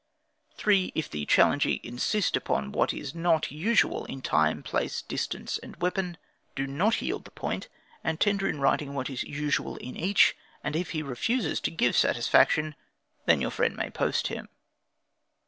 3. If the challengee insist upon what is not usual in time, place, distance and weapon, do not yield the point, and tender in writing what is usual in each, and if he refuses to give satisfaction, then your friend may post him.